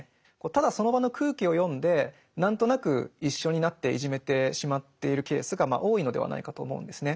ただその場の空気を読んで何となく一緒になっていじめてしまっているケースがまあ多いのではないかと思うんですね。